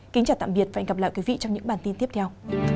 kính chào tạm biệt và hẹn gặp lại quý vị trong những bản tin tiếp theo